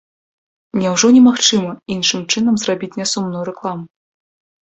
Няўжо немагчыма іншым чынам зрабіць нясумную рэкламу?